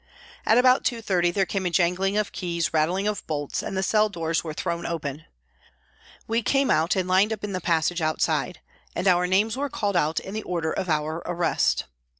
At about 2.30 there came a jangling of keys, rattling of bolts, and the cell doors were thrown open. We came out and lined up in the passage outside, and our names were called out in the order of our arrest.